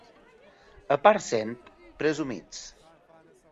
A Parcent, presumits.